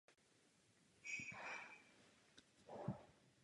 Slouží tak k lepšímu využití vydávané energie.